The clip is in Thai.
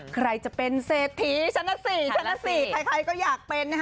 ใครจะเป็นเศรษฐีชั้นละ๔ชนะ๔ใครก็อยากเป็นนะฮะ